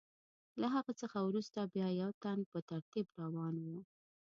له هغه څخه وروسته بیا یو تن په ترتیب روان و.